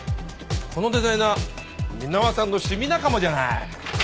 このデザイナー箕輪さんの趣味仲間じゃない。